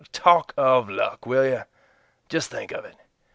Talk of luck, will you? Just think of it.